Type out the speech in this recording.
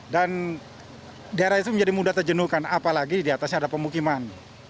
dan daerah itu menjadi mudah terjenuhkan apalagi diatasnya ada pemukiman